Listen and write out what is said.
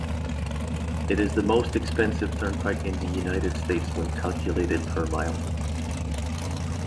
It is the most expensive turnpike in the United States when calculated per mile.